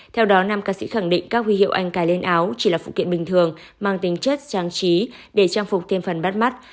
theo đó nam ca sĩ khẳng định các huy hiệu anh cài lên áo chỉ là phụ kiện bình thường mang tính chất trang trí để trang phục thêm phần bắt mắt